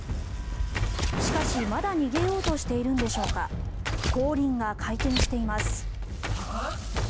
しかし、まだ逃げようとしているのでしょうか後輪が回転しています。